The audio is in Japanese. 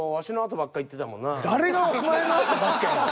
誰がお前のあとばっかやねん！？